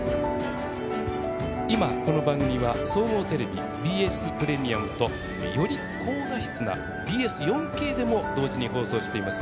今、この番組は総合テレビＢＳプレミアムとより高画質なＢＳ４Ｋでも同時に放送しています。